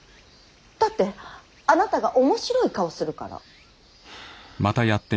だってあなたが面白い顔するから。